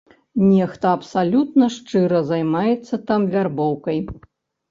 Нехта абсалютна шчыра займаецца там вярбоўкай.